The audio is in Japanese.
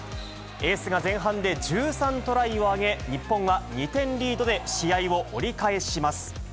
エースが前半で１３トライを挙げ、日本は２点リードで試合を折り返します。